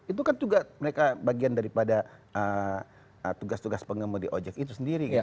itu kan juga bagian dari tugas tugas pengemudi objek itu sendiri